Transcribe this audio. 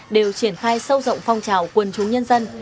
đều triển khai sâu rộng phong trào quân chúng nhân dân